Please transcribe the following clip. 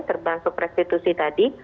terbang suprestitusi tadi